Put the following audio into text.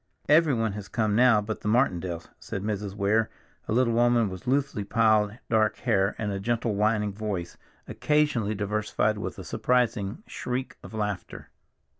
"Everyone has come now but the Martindales," said Mrs. Weir, a little woman with loosely piled dark hair, and a gentle, winning voice, occasionally diversified with a surprising shriek of laughter.